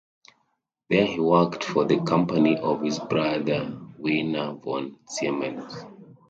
There he worked for the company of his brother Werner von Siemens.